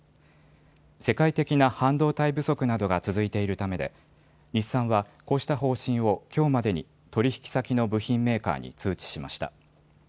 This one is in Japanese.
世界的な半導体不足などが続いているためで日産は、こうした方針をきょうまでに取引先の部品メーカーに通知しました。